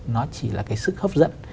nó chỉ là cái sức hấp dẫn